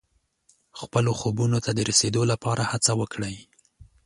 خپلو خوبونو ته د رسېدو لپاره هڅه وکړئ.